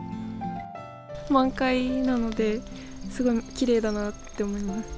満開なので、すごいきれいだなって思います。